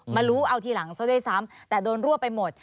มารู้เอาทีหลังซะด้วยซ้ำแต่โดนรั่วไปหมด